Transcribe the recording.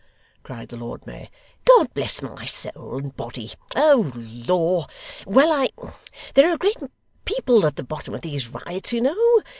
cried the Lord Mayor. 'God bless my soul and body oh Lor! well I! there are great people at the bottom of these riots, you know.